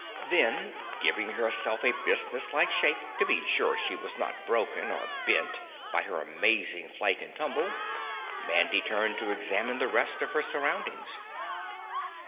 Then, giving herself a businesslike shake to be sure she was not broken or bent by her amazing flight and tumble, Mandy turned to examine the rest of her surroundings.